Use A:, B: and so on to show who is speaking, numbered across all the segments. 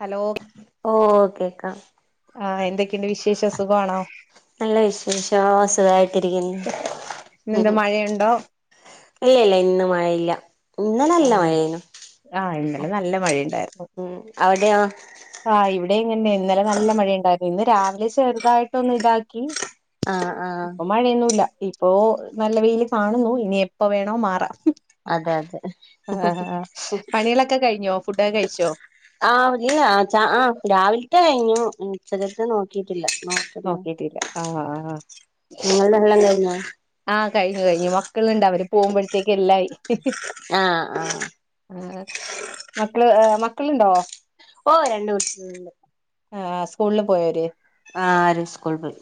A: Hello
B: ഓ കേക്കാ.
A: ആ എന്തൊക്കെണ്ട് വിശേഷം സുഖമാണോ?
B: നല്ല വിശേഷോം സുഖായി ട്ട് ഇരിക്കുന്നു.
A: ഇന്നെന്താ
B: ങ്ഹും.
A: മഴയുണ്ടോ
B: ഇല്ലില്ല ഇന്ന് മഴയില്ല. ഇന്നല നല്ല മഴേനു.
A: ഇടെ നല്ല മഴേണ്
B: ഉം അവിടെയോ?
A: ഇവിടേം ഇങ്ങനന്നേയുന്ന്, ഇന്നലെ നല്ല മഴേണ്ടായിന്നു. ഇന്ന് രാവിലെ ചെറുതായിട്ട് ഒന്നിതാക്കി
B: ആഹ് ആഹ്
A: ഇപ്പം മഴയൊന്നുവില്ല. ഇപ്പോ നല്ല വെയില് കാണുന്നു, ഇനി എപ്പ വേണോ മാറാം.
B: അതെ അതെ.
A: ആ ആ പണികളൊക്കെ കഴിഞ്ഞോ? ഫുഡൊക്കെ കഴിച്ചോ?
B: ആ ഇല്ല ആ ച ആ രാവിൽത്തെ കയിഞ്ഞു, ഉച്ചക്കലത്തെ നോക്കിട്ടില്ല.
A: നോക്കിട്ടില്ല, ആ ആ
B: നിങ്ങൾടെ എല്ലാം കഴി
A: ആ കഴിഞ്ഞു കഴിഞ്ഞു, മക്കള്ണ്ട് അവര് പോകുമ്പോളത്തേക്കെല്ലാം ആയി.
B: ആഹ് ആഹ്
A: ആ മക്കള്, മക്കള്ണ്ടോ?
B: ഓ രണ്ടു മക്കള്ണ്ട്
A: ആ സ്കൂളില് പോയോവര്?
B: ആ അവര് സ്കൂള് പോയി.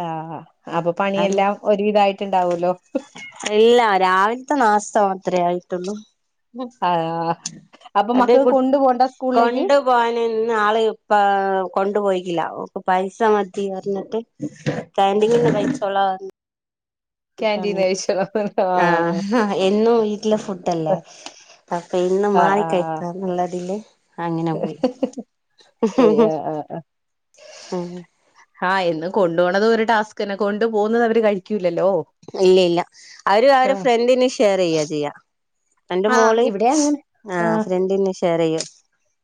A: ആ ആ അപ്പ പണിയെല്ലാം ഒരുവിധായിട്ട്ണ്ടവൂലോ
B: ഇല്ലാ രാവിൽത്തെ നാസ്ത മാത്രേ ആയിട്ടുള്ളു.
A: ആ
B: അത് കുട് കൊണ്ടു പോകാനിന്നാള് ഇപ്പ കൊണ്ടുപോയി. ല്ല ഓക്ക് പൈസ മതിന്ന് പറഞ്ഞിട്ട് കാന്റീനിന്നു കഴിച്ചോളാ പറഞ്ഞ്.
A: കാൻറീൻന്ന് കഴിച്ചോ
B: ആ എന്നും വീട്ടിലെ ഫുഡ്ഡല്ലേ? അപ്പ ഇന്നു മാറി കഴിക്കാന്ന്ള്ളതില്.
A: പോയ് ആ ആ ആ.
B: ഉം
A: ആ എന്നും കൊണ്ടു പോണതൊരു ടാസ്ക്കന്നെ. കൊണ്ടു പോകുന്നത് അവര് കഴിക്കൂ
B: ഇല്ല ഇല്ല അവര് അവരെ
A: ആഹ്
B: ഫ്രണ്ട്ന് ഷെയറ്യ്യാ ചെയ്യാ. എന്റെ
A: ആഹ്
B: മോള്
A: ഇവിടെ അങ്ങനെ
B: ആ ഫ്രണ്ടിന് ഷെയറെയ്യും.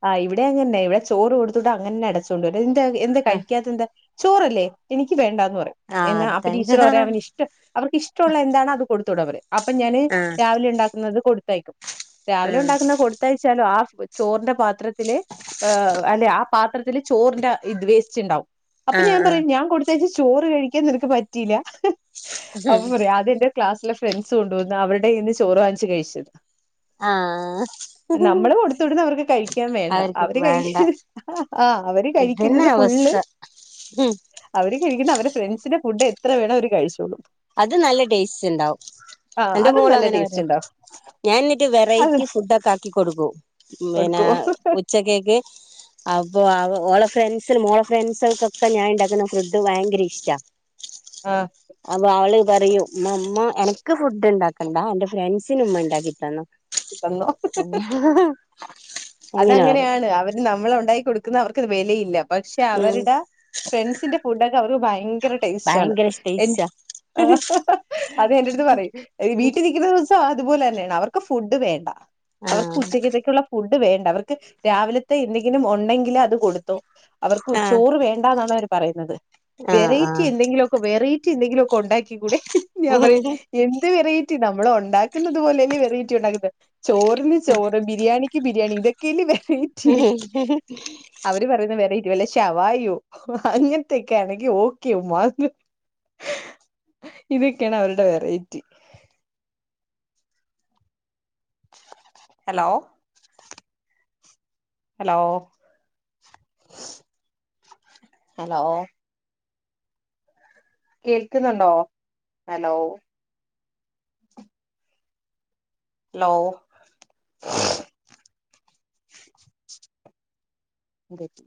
A: ആ ഇവിടെ അങ്ങന്നെ. ഇവിടെ ചോറ് കൊടുത്തുവിട്ടാ അങ്ങന്നെ അടച്ചോണ്ടരും. എന്താ എന്താ
B: ആഹ്
A: കഴിക്കാത്ത എന്താ ചോറല്ലേ? എനിക്ക് വേണ്ടാ. ന്ന് പറയും.
B: ആഹ്
A: എന്നാ അപ്പ
B: അതെ
A: ടീച്ചർ പറയും അവന് ഇഷ്ടം അവർക്ക് ഇഷ്ടമുള്ള എന്താണോ അത് കൊടുത്തുവിടാ പറയും. അപ്പ ഞാന്
B: ആഹ്
A: രാവിലേണ്ടാക്കുന്നത് കൊടുത്തയക്കും, രാവിലെ
B: ആഹ്
A: ഉണ്ടാക്കുന്നത് കൊടുത്തയച്ചാലും ആ ചോറിന്റെ പാത്രത്തില് ഏഹ് അല്ലേ, ആ പാത്രത്തില് ചോറിന്റെ ഇത് വേസ്റ്റ്ണ്ടാവും. അപ്പോ ഞാൻ
B: ആഹ് ആഹ്
A: പറയും ഞാൻ കൊടുത്തയച്ച ചോറ് കഴിക്കാൻ നിനക്ക് പറ്റിയില്ല അപ്പം പറയാ അത് എന്റെ ക്ലാസ്സിലെ ഫ്രണ്ട്സ് കൊണ്ടുവന്നാ അവരുടെ കയ്യുന്ന് ചോറ് വാങ്ങിച്ചു കഴിച്ചു.
B: ആഹ്
A: നമ്മള് കൊടുത്തുവിടുന്നവർക്ക് കഴി ക്കാൻ വേണ്ട
B: അവർക്ക്
A: അവര്
B: വേണ്ട
A: കഴിക്ക് ആ അവര്
B: ഇതന്നെ
A: കഴിക്കുന്നത് ഫുള്ള്
B: അവസ്ഥ ഉം
A: അവര് കഴിക്കണ അവരെ ഫ്രണ്ട്സിന്റെ ഫുഡ് എത്ര വേണേ അവര് കഴിച്ചോളും.
B: അത് നല്ല ടേസ്റ്റ്ണ്ടാവും.
A: ആ
B: എന്റെ
A: അതും
B: മോള
A: നല്ല
B: അങ്ങനെ പറ
A: ടേസ്റ്റ് ഉണ്ടാവും
B: ഞാനിന്നിട്ട്
A: അത്
B: വെറൈറ്റി ഫുഡ് ഒക്കെ ആക്കി കൊടുക്കും. പിന്നെ
A: കൊടുക്കോ
B: ഉച്ചക്കേക്ക്. അപ്പോ അവ ഓളെ ഫ്രണ്ട്സിനും ഓ ഫ്രണ്ട്സുകൾക്കൊക്കെ ഞാൻ ഉണ്ടാക്കുന്ന ഫ്രഡ് ഭയങ്കര ഇഷ്ടാ
A: ആഹ
B: അപ്പൊ അവള് പറയൂ അമ്മ എനക്ക് ഫുഡ് ഉണ്ടാക്കണ്ടാ എന്റെ ഫ്രണ്ട്സിന് ഉമ്മ ഉണ്ടാക്കിത്തന്നോ അങ്ങനെ പറയും
A: അതങ്ങനെയാണ് അവര് നമ്മളെ ഉണ്ടായി കൊടുക്ക ക്ക് അവർക്ക് വിലയില്ല പക്ഷെ
B: ഉം
A: അവരുടെ ഫ്രണ്ട്സിന്റെ ഫുഡൊക്കെ അവർക്ക് ഭയങ്കര ഭയങ്കര ടേസ്റ്റാണ്
B: ഭയങ്കര ടേസ്റ്റാ
A: ആ അത് എന്റെടുത്ത് പറയും വീട്ടിൽ നിക്കുന്ന ദിവസം അതുപോലെന്നെയാണ് അവർക്ക് ഫുഡ് വേണ്ട അവർക്ക്
B: ആഹ്
A: ഉച്ചക്കത്തെക്കുള്ള ഫുഡ് വേണ്ട അവർക്ക് രാവിലത്തെ എന്തെങ്കിലും ഉണ്ടെങ്കിലിൽ അത് കൊടുത്തു അവർക്ക്
B: ആഹ്
A: ചോറ് വേണ്ടാന്നാണ് പറയുന്നത്.
B: ആഹ്
A: വെറൈറ്റി എന്തെങ്കിലുമൊക്കെ വെറൈറ്റി എന്തെങ്കിലുമ ഒക്കെ ഉണ്ടാക്കി കൂടെ ഞാൻ പറിം എന്ത് വെറൈറ്റി നമ്മള ഉണ്ടാക്കുന്നത് പോലെന്നെ വെറൈറ്റി ഉണ്ടാക്കുന്നത് ചോറിന് ചോറ് ബിരിയാണിക്ക് ബിരിയാണി ഇതൊക്കെല്ല വെ റ്റി
B: ആഹ്
A: അവര് പറയുന്ന വെറൈറ്റി വല്ല ശവായോ അങ്ങനത്തക്കെയാണെങ്കി ഓക്കെ ഉമ്മാന്ന് ഇതൊക്കെയാണ് അവരുടെ വെറൈറ്റി ഹലോ ഹലോ ഹലോ കേൾക്കുന്നുണ്ടോ ഹലോ ഹെലോ ന്ത് പറ്റി